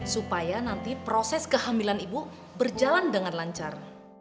supaya nanti proses kehamilan ibu berjalan dengan lancar